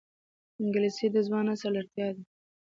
انګلیسي د ځوان نسل اړتیا ده